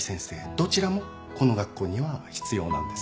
どちらもこの学校には必要なんです。